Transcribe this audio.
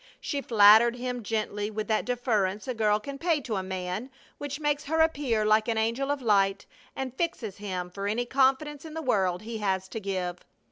She flattered him gently with that deference a girl can pay to a man which makes her appear like an angel of light, and fixes him for any confidence in the world he has to give.